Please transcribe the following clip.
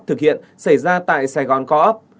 thực hiện xảy ra tại sài gòn co op